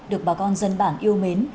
được bà con dân bản yêu mến